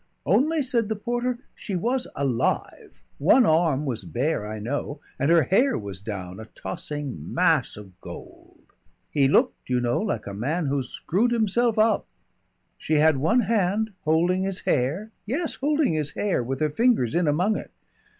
"Only," said the porter, "she was alive. One arm was bare, I know, and her hair was down, a tossing mass of gold. "He looked, you know, like a man who's screwed himself up. "She had one hand holding his hair yes, holding his hair, with her fingers in among it....